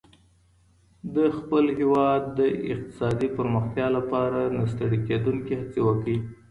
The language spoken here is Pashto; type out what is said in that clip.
د خپل هېواد د اقتصادي پرمختيا لپاره نه ستړې کېدونکې هڅي وکړئ.